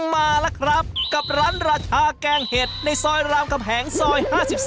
มาแล้วครับกับร้านราชาแกงเห็ดในซอยรามคำแหงซอย๕๓